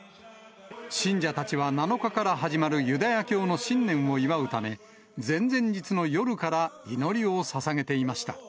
信者たちは７日から始まるユダヤ教の新年を祝うため、前々日の夜から祈りをささげていました。